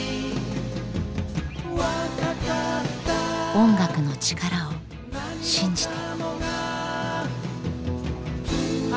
音楽の力を信じて。